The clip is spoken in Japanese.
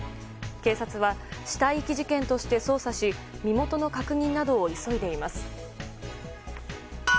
警察は死体遺棄事件として捜査し身元の確認などを急いでいます。